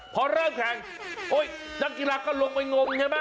พอเริ่มแข่งนักกีฬาก็ลงไปงมใช่ไหม